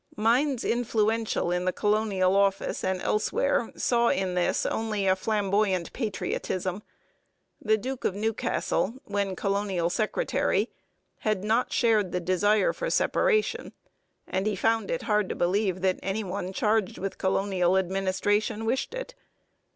Minds influential in the Colonial Office and elsewhere saw in this only a flamboyant patriotism. The Duke of Newcastle, when colonial secretary, had not shared the desire for separation, and he found it hard to believe that any one charged with colonial administration wished it.